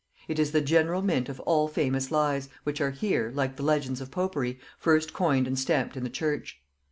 It is the general mint of all famous lies, which are here, like the legends of popery, first coined and stamped in the church.